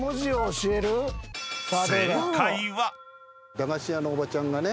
駄菓子屋のおばちゃんがね